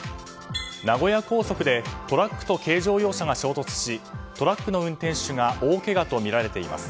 名古屋高速でトラックと軽乗用車が衝突しトラックの運転手が大けがとみられています。